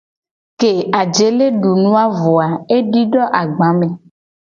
Ke ajele du nu a vo a, edido agba me.